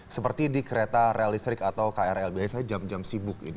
seperti di kereta rel listrik atau krl biasanya jam jam sibuk ini